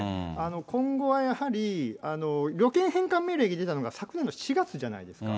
今後はやはり、旅券返還命令が出たのって、昨年の４月じゃないですか。